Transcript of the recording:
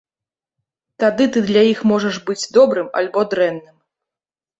Тады ты для іх можаш быць добрым альбо дрэнным.